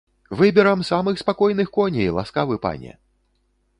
Выберам самых спакойных коней, ласкавы пане!